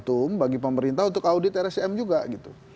itu gantung bagi pemerintah untuk audit rsjm juga gitu